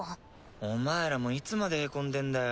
お前らもいつまでへこんでんだよ。